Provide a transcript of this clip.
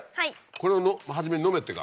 これを初めに飲めってか。